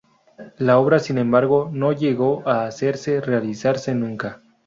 La obra sin embargo, no llegó a hacerse realizarse nunca.